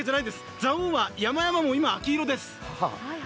蔵王は山々も今、秋色です。